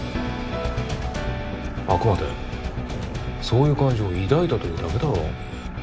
あくまでそういう感情を抱いたというだけだろ。